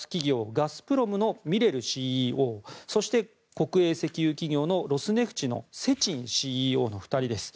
ガスプロムのミレルＣＥＯそして国営石油企業ロスネフチのセチンＣＥＯの２人です。